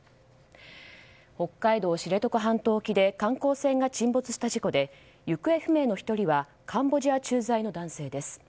北海道知床半島沖で観光船が沈没した事故で行方不明の１人はカンボジア駐在の男性です。